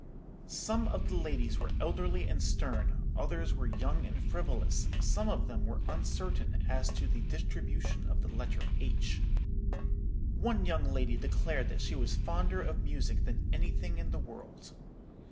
Some of the ladies were elderly and stern; others were young and frivolous; some of them were uncertain as to the distribution of the letter h. One young lady declared that she was fonder of music than anything in the world.